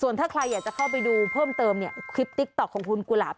ถ้าใครอยากจะเข้าไปดูเพิ่มเติมเนี่ยคลิปติ๊กต๊อกของคุณกุหลาบ